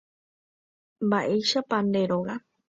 Mba'éichapa nde róga.